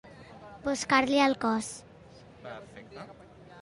Buscar-li el cos.